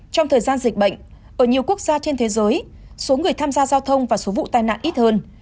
trong thời gian dịch bệnh ở nhiều quốc gia trên thế giới số người tham gia giao thông và số vụ tai nạn ít hơn